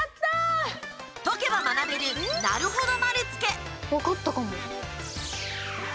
解けば学べる、なるほど丸つけ。